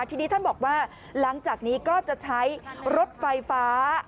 ทีนี้ท่านบอกว่าหลังจากนี้ก็จะใช้รถไฟฟ้า